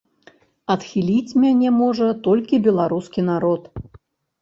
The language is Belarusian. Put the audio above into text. Адхіліць мяне можа толькі беларускі народ.